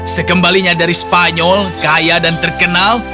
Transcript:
sekembalinya dari spanyol kaya dan terkenal